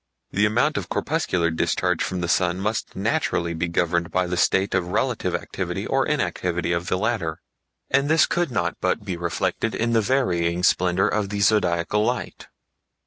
The amount of corpuscular discharge from the sun must naturally be governed by the state of relative activity or inactivity of the latter, and this could not but be reflected in the varying splendor of the Zodiacal Light.